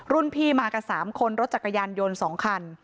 รุ่นพี่มากันสามคนรถจักรยานยนต์สองคัน